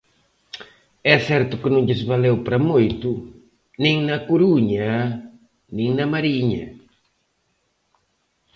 É certo que non lles valeu para moito, nin na Coruña nin na Mariña.